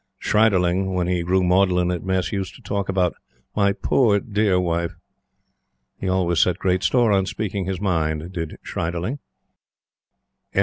Schreiderling, when he grew maudlin at Mess, used to talk about "my poor dear wife." He always set great store on speaking his mind, did Schreiderling! CONSEQUENCES.